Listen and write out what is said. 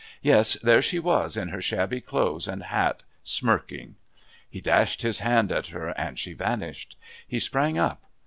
Yes, there she was in her shabby clothes and hat, smirking.... He dashed his hand at her and she vanished. He sprang up.